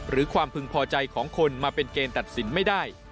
ความพึงพอใจของคนมาเป็นเกณฑ์ตัดสินไม่ได้